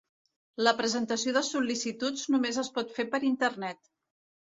La presentació de sol·licituds només es pot fer per internet.